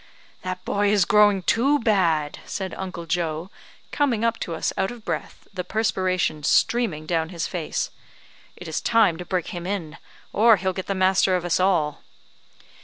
"That boy is growing too bad," said Uncle Joe, coming up to us out of breath, the perspiration streaming down his face. "It is time to break him in, or he'll get the master of us all."